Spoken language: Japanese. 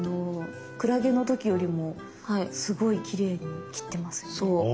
クラゲの時よりもすごいきれいに切ってますよね。